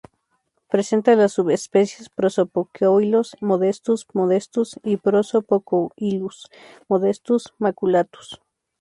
Presenta las subespecies "Prosopocoilus modestus modestus" y "Prosopocoilus modestus maculatus".